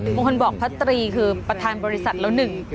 บางคนบอกพระตรีคือประธานบริษัทแล้วหนึ่ง